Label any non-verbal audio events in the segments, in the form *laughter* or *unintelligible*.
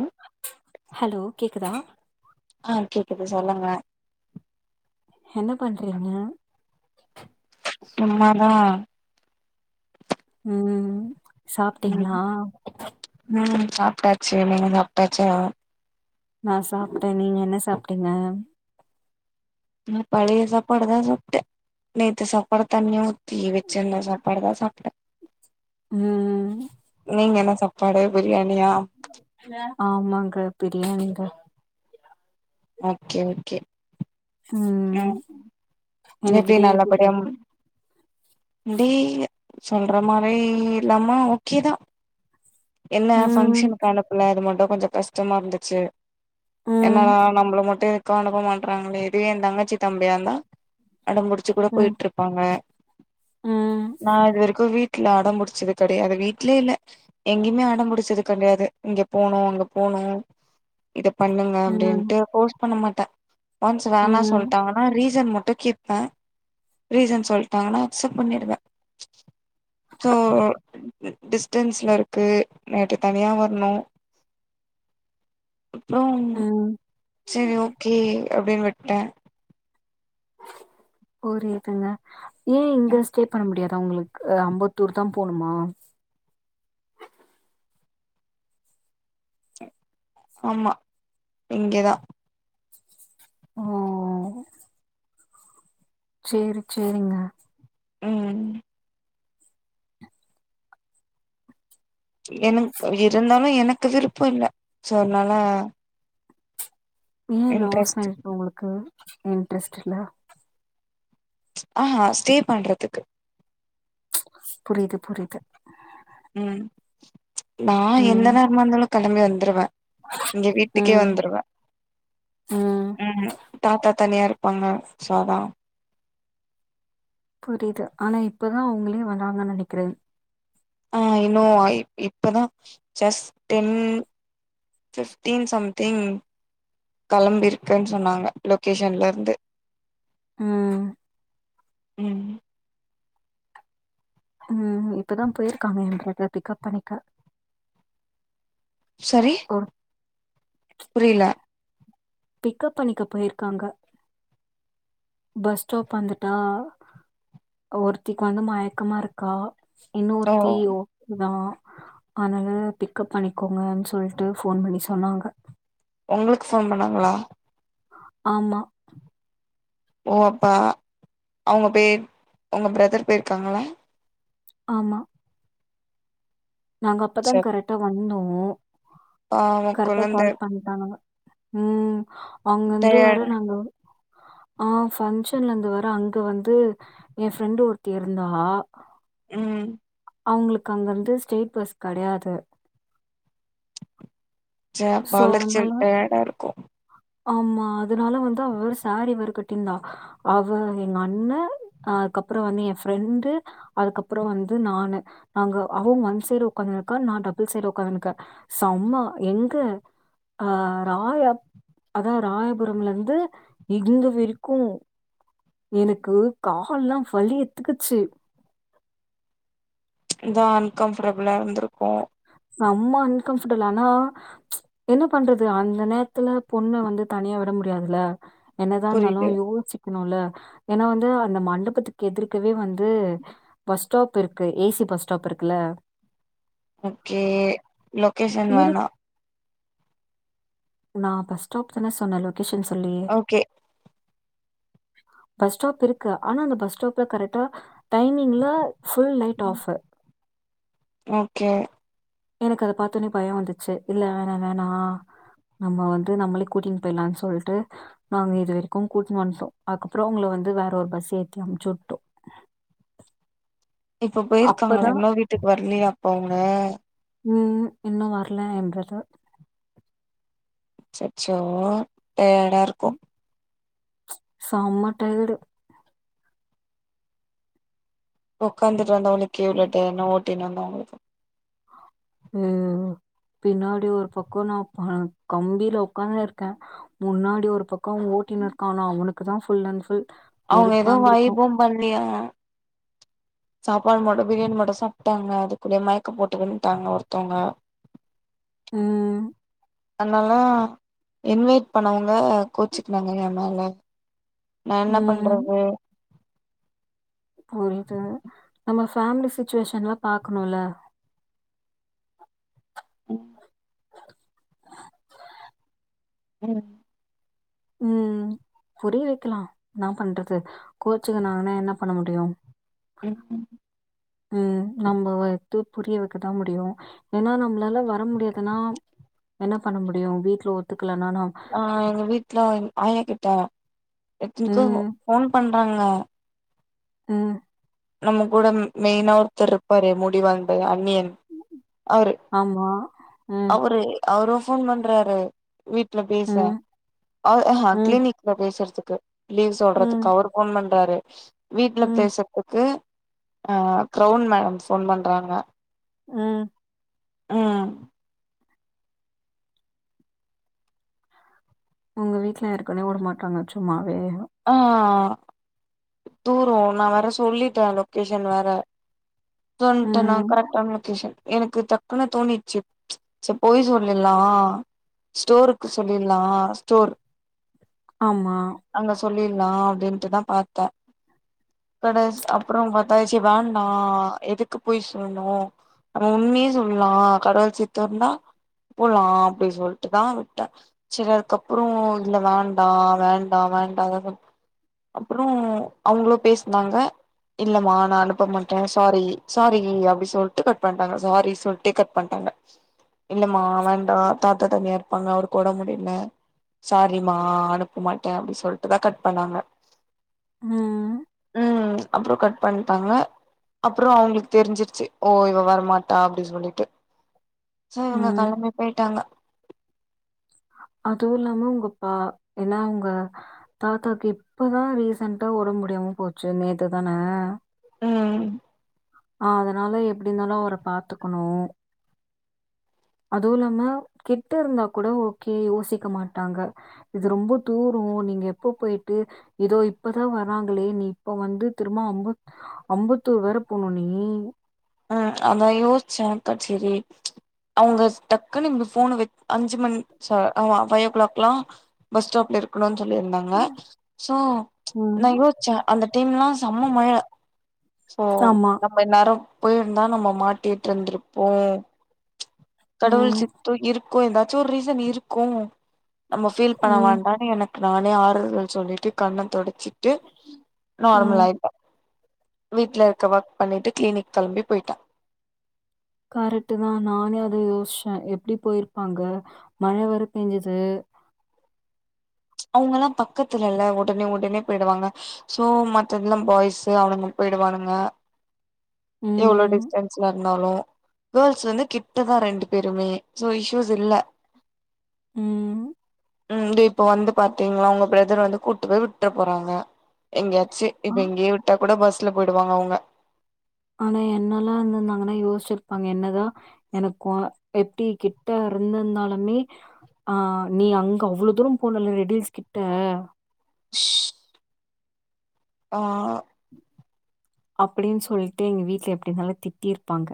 ம் க்குதா ஆ கேக்குது சொல்லுங்க. என்ன பண்றீங்க? சும்மாதா உம் சாப்பிட்டீங்களா சாப்பிட்டாச்சு நீங்க சாப்பிட்டாச்சா நா சாப்பிட்டேன் நீங்க என்ன சாப்பிட்டீங்க ந பழைய சாப்பாடு தான் சாப்பிட்டேன் நேத்து சாப்பாடு தண்ணியா ஊத்தி வச்சுன இருந்த சாப்பாடு தான் சாப்பிட்டேன் ம். நீங்க என்ன ச பழைய பிரியாணி ஆமாங்க பிரியாணிங்க ஓகே ஓகே உம் ம் இனக்கிட்டே எப்படி போ அப்டி சொல்ற மாரி இல்லாமா ஓகேதான் என்ன ம். ஃபங்க்ஷனுக்கு அனுப்புல அது மட்டும் கொஞ்ச கஷ்டமா இருந்துச்சு என்னட ம். நம்மள மட்டு ம் அனுப்ப மாற்றங்களே இது தங்கச்சி தம்பியாந்தா அடம்புடிச்சு கூட ம். போயிட்டுறு இருப்பாங்க ம். நா இதுவரைக்கும் வீட் ல அடம்பிடிச்சது கெடையாது அது வீட்லே இல்ல எங்கேயுமே அடம்புடிச்சது கிடையாது இங்க போனும் அங்க போனும் இதா பண்ணுங்க ம். அப்படின்ட்டு போ பண்ண மாட்டேன் ஒன்ஸ் வே ம். சொல்லிட்டாங்கன்னா ரீசன் மட் டும் கேப்பேன் ரீசன் சொல்லிட்டாங்கன அக்ஸ்ப்ட் பண்ணிடுவேன் சோ டிஸ்டன்ஸ்ல இருக்கு நைட்டு தனியா வரணும் அப்பறம் ம். சேரி ஓகே அப்டின் விட்டேன் புரியதுங்க ஏன் இங்க ஸ்டே பண்ண முடியாது உங்களுக்கு ஐம்பத்தூர் தான் போணுமா ஆமா இங்கதான் ஓஹ் ஓ சேரி சேரிங்க உம் எனங்க இருந்தாலும் எனக்கு விருப்பம் இல்ல சோ அதனால ஏன் லாஸ்ட இன்ட்ரெஸ்ட் இருக்குறவங்களுக்கு இன்ட்ரெஸ்ட் இல்ல ஆஹ் ஸ்டே பண்றதுக்கு புரியுது புரியுது நான் எந்த ம். நேரமா இருந்தாலும் கிளம்பி வந்துருவேன் இ வீட்டுக்கே ம். வந்துடுவேன் ம் உம் தாத்தா தனியா இருப்பாங்க சோ அதான் புரியுது ஆனா இப்பதான் உங்களே *unintelligible* வராங்கனு நினைக்கிறேன் ஆஹ் இன்னும் இப்பதான் ஜஸ்டிப்டன் *unintelligible* சம்திங் கிளம்பிருக்குன்னு சொன்னாங்க லொகேஷன்ல இருந்து உஹம் உம் உஹம் இப்பதான் போயிருக்காங்க என பிக்கப் பண்ணிக்க சரி ஒரு புரியல பிக்கப் பண்ணிக்கப் போயிருக்காங்க பஸ் ஸ்டாப் வந்துட்டா ஒருத்திக்கு வந்து மயக்கமா இருக்கா இன்னொ ஒரு ஓ தீ ஓதான் *unintelligible* அதனால பிக்கப் பண்ணிக்கோங்கு சொல்லிட்டு போன் பண்ணி சொன்னாங்க உங்களுக்கு போன் பண்ணாங்களா ஆமா ஓ அப்ப அவங்க பேர் உங்க பிரதர் பேயிருக்காங்களா ஆமா நாங்க ச அப்பதான் கரெக்டா வந்தோம் போ *unintelligible* பாவோ கரெக்டா கொழந்த கால் பண்ணிட்டாங்க உம் அவங்க வந்து வர்ற டயர்டா நாங்க ஆஹ் பங்க்ஷன்ல இருந்து வர அங்க வந்து என் ஃப்ரெண்டு் ஒருத்தி இருந்தா உம் அவங்களுக்கு அங்கிருந்து ஸ்டேட்ஸ் பஸ் கிடையாது ச்ச ம ஸோ, அதனால அளைச்சல்ஃடயடா இருக்கும் ஆமா அதனால வந்து அவ சாரி வருகட்ட இருந்தா அவ எங்க அண்ண அதுக்கப்புறம் வந்து என் ஃரெண்டு அதுக்கப்புறம் வந்து நான் நாங்க அவன் ஒன் சைடு உ்காந்து நக்க நான் டபுள் சைடு உ்காந்துக்கேன் சோ அம்மா எங்க ஆஹ் ராய அதாவ ராயபுரம்ல இருந்து இங்க வரைக்கும் எனக்கு காலல்லாம் வலி எடுத்துக்குச்சு இதான் அன்கம்ஃபர்டபிளா இருந்திருக்கும் சம்ம அன்கம்பர்ட்டபிள் ஆனா என்ன பண்றது அந்த நேரத்துல பொண்ணு வந்து தனியா விட முடியாதுல என்னதா புரியுது இருந்தாலும் யோசு ஏன்னா வந்து அந்த மண்டபத்துக்கு எதிரவே வந்து பஸ் ஸ்டாப் இருக்கு ஏசி பஸ் ஸ்டாப் இருக்குல்ல ஓகே இ லொகேஷன் இரு வேணா நான் பஸ் ஸ்டாப் தானே சொன்னலும் லொகேஷன் சொல்லே ஓகே பஸ் ஸ்டாப் இருக்கு ஆனா அந்த பஸ் ஸ்டாப்ல கரெக்டா டைமிங்கில் ஃபுல் லைட் ஆஃபு ஓகே எனக்கு அத பார்த்தோடனே பயம் வந்துச்சு இல்ல வேணா வேணா நம்ம வந்து நம்மளே கூட்டிட்டு போயலாம்னு சொல்லிட்டு நாங்க இது வரைக்கும் கூட்டன்னு வன்டோம் அதுக்கப்புறம் உங்க வந்து வேற ஒரு பஸ் ஏத்தி அனுப்சி விட்டேன் இப்ப போயிருக்காங்களா இன்னும் வீட்டுக்கு வரலையா அவுங்க உம் இன்னும் வரல என்றது அச்சச்சோ டயடா இருக்கும் செம டயடு உக்காந்து வந்த உங்க கே உள்ளளட்டே *unintelligible* தினமும் உங்களுக்கு ஹ பின்னாடி ஒரு பக்கம் நான் கம்பியில உட்காந்துன் இருக்கேன் முன்னாடி ஒரு பக்கம் ஓட்டினு இருக்கான் ஆனா அவனுக்கு தான் ஃபுல் அண்ட் ஃபுல் அவங்க ஏதோ வெறுப்பாந்திருக்கும். வைபம் பண்ணலியா சாப்பாடு மட்டும் பிரியாணி மட்டும் சாப்பிட்டாங்க அதுக்குள்ளே மயக்கம் போட்டு விழுந்துட்டாங்க ஒருத்தவங்க உஹம் அதனாலாம் இன்வைட் பண்ணவங்க கோச்சுக்குனாங்க ஏன் மேல நான் என்ன ம். பண்றது புரியுது நம்ம ஃபேமிலி சிச்சுவேஷன்லாம் பாக்கணும்ல உஹம் *unintelligible* உஹம் *unintelligible* உம் புரிய வைக்கலாம் நான் பண்றது கோச்சுக்கு நாங்கனா என்ன பண்ண முடியும் உம் உ உஹம் நம்மத்து புரிய வைக்கதான் முடியும் ஏன்னா நம்மளால வர முடியாதுன்னா என்ன பண்ண முடியும் வீட்டுல ஒத்து ஆஹ் எங்க வீட்டு்ல ஆயா கி ட்டா எத்தனுக்கு ம். போன் பண்றாங்க ம்ம் நம் கூட மெயினா ஒருத்தர் இருப்பாரே முடிவந்த அண்ணியன் அவரு ஆமா. ம். அவரு அவரும் போன் பண்றாரு வீட்டு்ல ம். பேசன்ஹ ம். கிளினிக்ல பேசுறதுக் கு *unintelligible* லீவ் ம். சொல்றதுக்கு அவர் போன் பண்றாரு வீட்டுல ம். பேச த்து கரவுன் மேடம் சொன்ன டிராமா உஹம் ஆஹ் உங்க வீட்ல இருக்குனே விட மாட்டாங்க சும்மாவே ஆஹ் தூறம் நான் வேற சொல்லிட்டேன் லொகேஷன் வேற தொண்டா நான் ம். கரெ்ட் ஆ *unintelligible* லொக்கேஷன் எனக்கு தடக்குன்னு தோணிச்சு ச பொய் சொல்லிடலாம் ஸ்டோருக்கு சொல்லிடலாம் ஸ்டோர் ஆமா சொல்லிடலாம் அப்படின்ட்டுதான் பார்த்தேன் கடை அப்புறம் பாத்தாச்சி வே நான் எதுக்கு உண்மையே சொல்லணும் ஆனா உன்னே சொல்லலாம் கடவுள் சித்த இருந்தா போலாம் அப்படின் சொல்லிட்டு தான் விட்டேன் செரிலதுக்கு அப்புறம் இல்ல வேண்டாம் வேண்டாம் வேண்டாம் அப்புறம் அவங்களோ பேசினாங்க இல்ல நான் அனுப்ப மாட்டேன் சாரி சாரி அப்படினு சொல்லிட்டு கட் பண்ணிட்டாங்க சாரினு சொல்லிட்டே கட் பண்ணிட்டாங்க இல்ல மா வேண்டா தாத்தா தனியா இருப்பாங்க அவர் கூட முடியல சாரிமா அனுப்ப மாட்டேன் அப்படின்னு சொல்லிட்டுதான் கட் பண்ணாங்க ஆஹ் அப்புறம் கட் பண்ணாங்க அப்புறம் அவங்களுக்கு தெரிஞ்சிருச்சு ஓ இவ வரமாட்டா அப்படின்னு சொல்லிட்டு சரிஇவங்க ம். கிளம்பி போயிட்டாங்க அதுவும் இல்லாம உங்க பா ஏன்னா உங்க தாத்தாக்கு இப்பதான் ரீசென்டா உடம்முடியாம போச்சு நேத்து தானே உஹம் ஆஹ் அதனால எப்படி இருந்தாலும் அவரை பாத்துக்கணும் அதுவும் இல்லாம கிட்ட இருந்தா கூட ஓகே யோசிக்க மாட்டாங்க இது ரொம்ப தூரம் நீங்க எப்ப போயிட்டு ஏதோ இப்பதான் வராங்களே நீ இப்ப வந்து திரும்ப அம்பத் அம்பத்தூர் வேற போனும் நீ ஹம் அதான் யோசிச்சக்கா சரி அவங்க டக்குங்க போனு அஞ்சு மணிவ் ஓ கிளாக் எலாம் பஸ் ஸ்டாப்ல இருக்கணும் சொல்லியிருந்தாங்க சோ ம். நான் யோசிச்சேன் அந்த டைம் எலாம் செம மழ சோ ஆமா. நம்ம எநாரும் போயிருந்தா நம்ம மாட்டிட்டு இருந்திருப்போம் ம். கடவுள்சித்து இ எந்தாச்சும் ஒரு ரீசன் இருக்கும் நம்ம ஃபீல் பண்ண ம். வேண்டாம் எனக்கு நானே ஆறுதல் சொல்லிட்டு கண்ண தொட வச்சிட்டு நர்மல ம். ஆயிட்டா வீட்ல இருக்க ஒர்க் பண்ணிட்டு கிளீினிக் கிளம்பி போயிட்டேன் கரெக்ட் தான் நானே அத யோசிச்சேன் எப்படி போயிருப்பாங்க மழை வர பெஞ்சது அவங்க எல்லாம் பக்கத்துல இல்ல உடனே உடனே போய்டுவாங்க சோ மத்ததுெல்லாம் பாய்ஸ் அவனுங்க போயிடுவானுங்க எவ்வளோ ம். டிஸ்டன்ஸ்ல பஸ்ட் கிட்டுதான் ரெண்டு பேருமே சோ இசியூஸ் இல்ல ம். உம் இப்ப வந்து பாத்தீங்களா உங்க பிரதர் வந்து கூட்டுப் போய் விட்ட போறாங்க எங்கயாச்சு ஆ இப்ப எங்கேயே விட்டா கூட பஸ்ல போயிடுவாங்க அவங்க ஆனா என்னல்லாம் இருந்த இருந்தாங்கன்னா யோசிச்சிரு ப்பாங்க என்னதான் எனக்கு எப்படி கிட்ட இருந்திருந்தாலுமே ஆஹ் நீ அங்க அவ்வளவு தூரம் போனல ரெடஸ் கிட்ட *inaudible* ஆ அப்படின்னு சொல்லிட்டு எங்க வீட்டு்ல எப்படினால திட்டிருப்பாங்க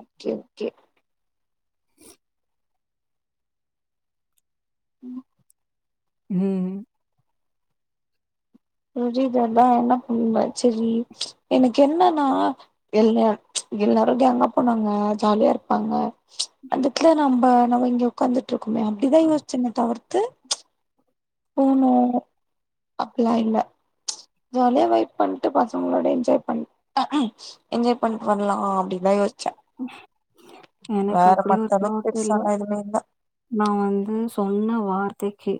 ஓகே ஓகே உம் ம் ருதர் தான் என்ன பண்ணுங்க சரி எனக்கு என்னன்னா எல்ல எல்லாரும் க அங்க போனாங்க ஜாலியா இருப்பாங்க அதுக்குலாம் நம்ம நங்க உட்கந்துட்டு ட்ருக்குமோ அப்டிதா யோச்சனே தவர் *unintelligible* போனோ அப்லா இல்ல ஜாலியா வைப் பண்ட்டு பசங்ளோட என்ஜாய் பண் என்ஜாய் பண் பன்லா அப்டிதா யோச் எனக்கு அப்டிய ஒரு மத்த அளவுக்கு பிளாட் தெரியு பெருசாலா எதுவுமே இல்ல நா வந்து சொன்ன வார்த்தைக்கு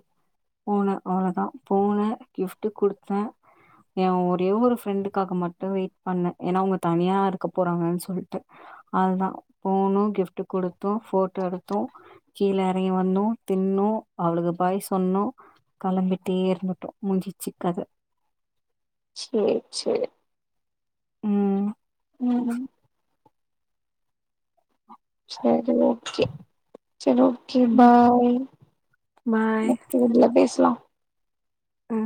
போனே அவ்ளோதா போன கிஃப்ட் குடுத்தே எ ஒரே ஒரு ஃப்ரெண்டுக்காக மட்டு வெயிட் பண்ண ஏனா அவுங்க தனியா இருக்க போறாங்கன் சொல்லிட்டு அவ்ளதா போனோ கிஃப்ட் குடுத்தோ ஃபோட்டோ எடுத்தோ கீழே எறங்கி வந்தோ தின்னோ அவுளுக பாய் சொன்னோ களம்பிட்டேருந்துட்டோ முஞ்சிச்சுிக்கதை சேரி சேரி ம். ம் சர் ஓகே சர் ஓகே ம். Bye bye. வீட்ல பேஸ்லா ம்